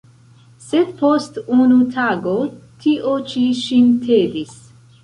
Sed post unu tago tio ĉi ŝin tedis.